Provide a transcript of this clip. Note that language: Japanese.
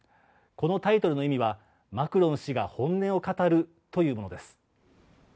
このタイトルの意味は、マクロン氏が本音を語るというものです。